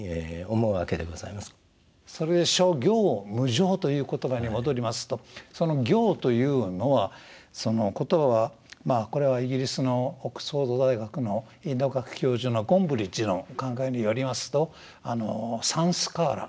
それで「諸行無常」という言葉に戻りますとその「行」というのはその言葉はこれはイギリスのオックスフォード大学のインド学教授のゴンブリッチの考えによりますとサンスカーラ。